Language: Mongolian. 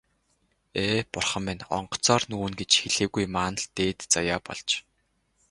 Ээ, бурхан минь, онгоцоор нүүнэ гэж хэлээгүй маань л дээд заяа болж.